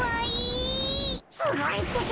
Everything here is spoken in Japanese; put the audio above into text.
すごいってか。